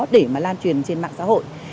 để mà lan truyền trên mạng xã hội